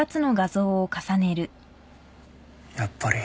やっぱり。